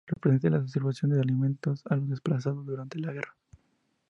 Representa la distribución de alimentos a los desplazados durante la guerra.